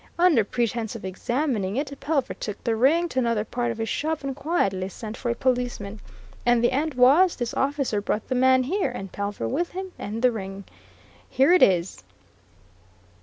Under pretence of examining it, Pelver took the ring to another part of his shop and quietly sent for a policeman. And the end was, this officer brought the man here, and Pelver with him, and the ring. Here it is!"